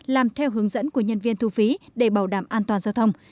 làm theo hướng dẫn của nhân viên thu phí để bảo đảm an toàn giao thông